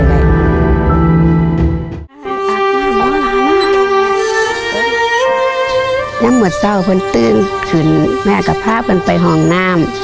ยังหมดเศร้าพวกสัตว์คงทื่นคืนแม่กับพระพันธุ์ไปหองน้ำ